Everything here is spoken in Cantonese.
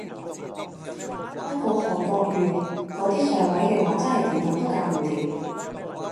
不過韓國瑜嗰啲上位嘅話真係點諗都搞唔掂